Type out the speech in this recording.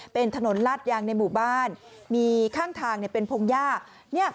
เป็นถนนลาดยางในหมู่บ้านมีข้างทางเป็นพงหญ้า